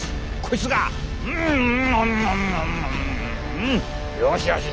うんよしよし